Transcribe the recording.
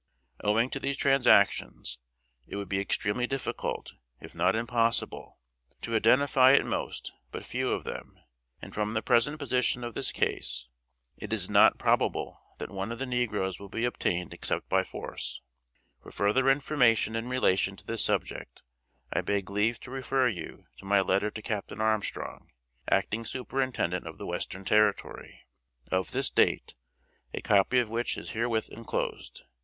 Owing to these transactions, it would be extremely difficult, if not impossible, to identify at most but few of them; and from the present position of this case, it is not probable that one of the negroes will be obtained except by force. For further information in relation to this subject, I beg leave to refer you to my letter to Captain Armstrong, Acting Superintendent of the Western Territory, of this date, a copy of which is herewith enclosed.